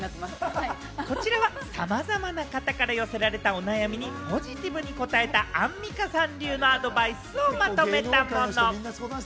こちらはさまざまな方から寄せられたお悩みにポジティブに答えたアンミカさん流のアドバイスをまとめたもの。